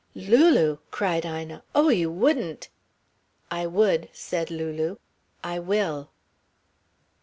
"Lulu!" cried Ina. "Oh, you wouldn't." "I would," said Lulu. "I will."